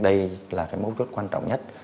đây là cái mấu chốt quan trọng nhất